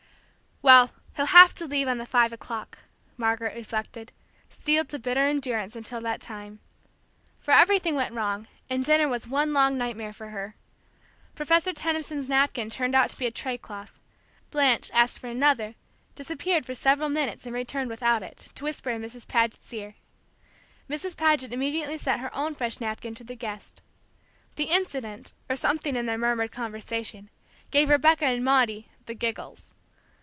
"Well, he'll have to leave on the five o'clock!" Margaret reflected, steeled to bitter endurance until that time. For everything went wrong, and dinner was one long nightmare for her. Professor Tenison's napkin turned out to be a traycloth. Blanche, asked for another, disappeared for several minutes, and returned without it, to whisper in Mrs. Paget's ear. Mrs. Paget immediately sent her own fresh napkin to the guest. The incident, or something in their murmured conversation, gave Rebecca and Maudie "the giggles."